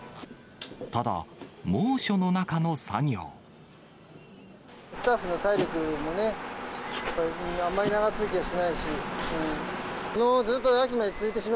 ただ、スタッフの体力もね、あまり長続きはしないし。